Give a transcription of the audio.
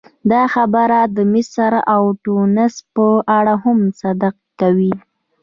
دا خبره د مصر او ټونس په اړه هم صدق کوي.